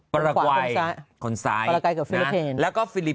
แป๊บ